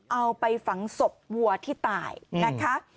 เอาไปฝังศพวัวที่ตายนะคะ